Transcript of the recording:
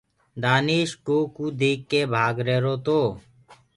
دآيش گو ڪوُ ديک ڪي ڀآگ رهيرو تو۔